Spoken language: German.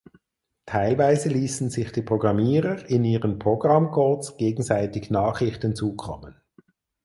Teilweise liesen sich die Programmierer in ihren Programmcodes gegenseitig Nachrichten zukommen.